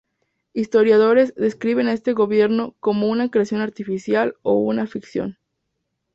Historiadores describen a este gobierno como una "creación artificial" o "una ficción".